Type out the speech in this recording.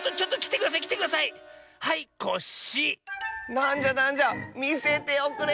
「『なんじゃなんじゃみせておくれ！